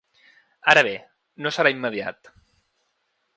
Ara bé, no serà immediat.